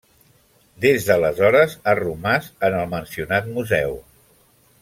Des d'aleshores ha romàs en el mencionat museu.